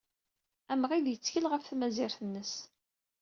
Amɣid yettkel ɣef tmazirt-nnes.